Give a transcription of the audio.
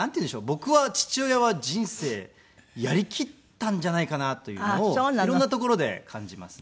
僕は父親は人生やりきったんじゃないかなというのを色んなところで感じますね。